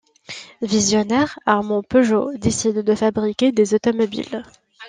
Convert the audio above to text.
Visionnaire, Armand Peugeot décide de fabriquer des automobiles.